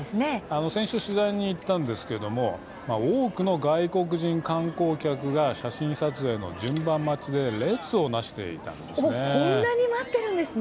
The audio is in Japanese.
先週、取材に行ったんですけれども多くの外国人観光客が写真撮影の順番待ちで列をなしていたんです。